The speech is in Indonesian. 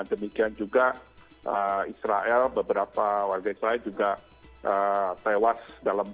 demikian juga israel beberapa warga israel juga tewas dalam